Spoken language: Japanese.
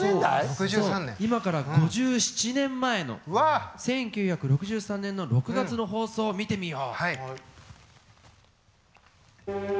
今から５７年前の１９６３年の６月の放送を見てみよう。